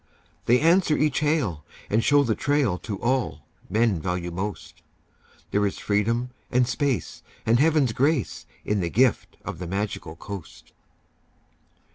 They answer each hail and show the trail To all men value most. There is freedom and space and Heaven's grace In the gift of the Magical Coast.